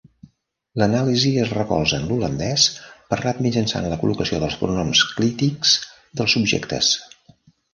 L'anàlisi es recolza en l'holandès parlat mitjançant la col·locació dels pronoms clítics dels subjectes.